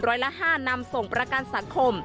ร้อยละ๕นำส่งประกันสังคม